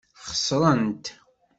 Xeṣrent.